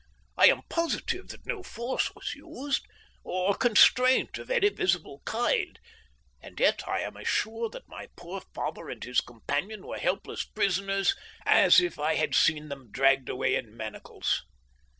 I am positive that no force was used, or constraint of any visible kind, and yet I am as sure that my poor father and his companion were helpless prisoners as if I had seen them dragged away in manacles.